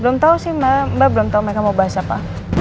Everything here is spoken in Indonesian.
belum tau sih mbak mbak belum tau mereka mau bahas apa